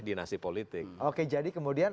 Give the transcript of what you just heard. dinasti politik oke jadi kemudian